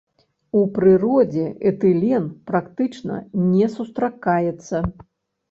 У прыродзе этылен практычна не сустракаецца.